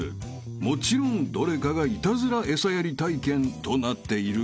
［もちろんどれかがイタズラ餌やり体験となっているが］